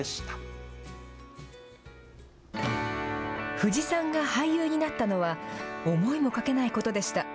藤さんが俳優になったのは、思いもかけないことでした。